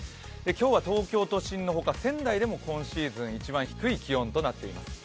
今日は東京都心のほか、仙台でも今シーズン一番低い気温となっています。